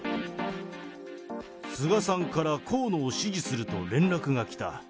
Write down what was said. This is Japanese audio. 菅さんから河野を支持すると連絡が来た。